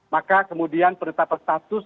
maka kemudian penetapan status